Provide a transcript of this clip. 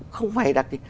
không phải là gì